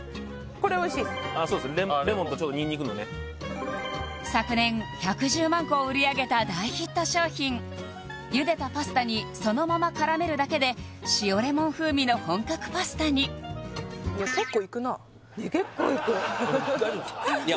これおいしいですレモンとにんにくのね昨年１１０万個を売り上げた大ヒット商品ゆでたパスタにそのままからめるだけで塩レモン風味の本格パスタに結構いく大丈夫ですか？